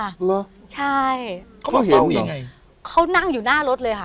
เหรอใช่เขามาเห็นยังไงเขานั่งอยู่หน้ารถเลยค่ะ